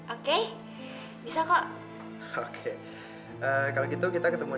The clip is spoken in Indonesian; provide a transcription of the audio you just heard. aku pengen ngajakin pertemuan